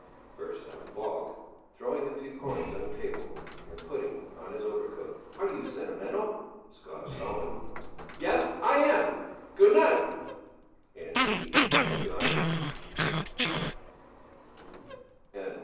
burst out Falk, throwing a few coins on the table, and putting on his overcoat. "Are you sentimental?" scoffed Sellén. "Yes, I am! Good night." And he had gone.